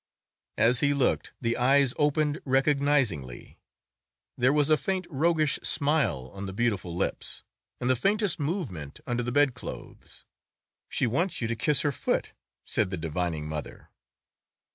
As he looked the eyes opened recognizingly; there was a faint roguish smile on the beautiful lips, and the faintest movement under the bedclothes. "She wants you to kiss her foot," said the divining mother.